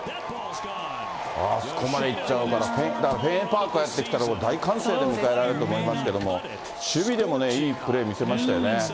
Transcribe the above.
あそこまで行っちゃうから、フェンウェイパークだったら大歓声で迎えられると思いますが、守備でもいいプレー見せましたよね。